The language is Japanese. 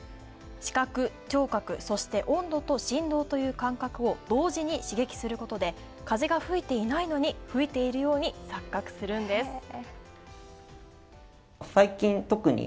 視覚、聴覚、そして温度と振動という感覚を同時に刺激することで風が吹いていないのに吹いているように錯覚するんです。